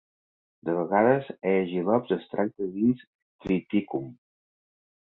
De vegades Aegilops es tracta dins "Triticum".